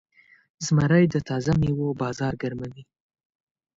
زمری د تازه میوو بازار ګرموي.